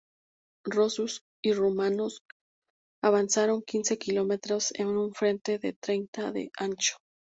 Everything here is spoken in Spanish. Rusos y rumanos avanzaron quince kilómetros en un frente de treinta de ancho.